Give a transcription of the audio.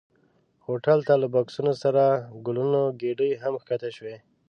هوټل ته له بکسونو سره ګلونو ګېدۍ هم ښکته شوې.